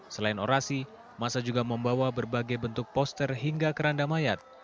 selain orasi masa juga membawa berbagai bentuk poster hingga keranda mayat